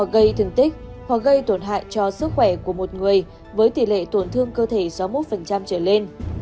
gây thương tích hoặc gây tổn hại cho sức khỏe của một người với tỷ lệ tổn thương cơ thể sáu mươi một trở lên